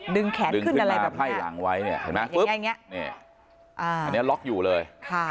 ดึงแขนขึ้นมาไพ่หลังไว้อันนี้ล็อคอยู่เลย